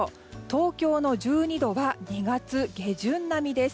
東京の１２度は２月下旬並みです。